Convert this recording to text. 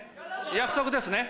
約束ですね？